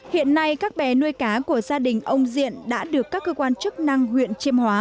hiện nay các bè nuôi cá của gia đình ông diện đã được các cơ quan chức năng huyện chiêm hóa